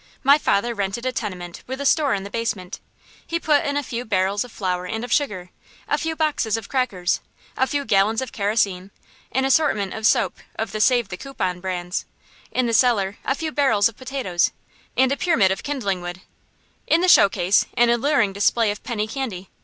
My father rented a tenement with a store in the basement. He put in a few barrels of flour and of sugar, a few boxes of crackers, a few gallons of kerosene, an assortment of soap of the "save the coupon" brands; in the cellar, a few barrels of potatoes, and a pyramid of kindling wood; in the showcase, an alluring display of penny candy.